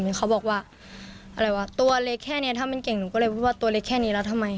ก็เลยบอกว่าตัวเล็กแค่นี้ถ้ามันเก่งก็เลยบอกว่าตัวเล็กแค่นี้อะทำไม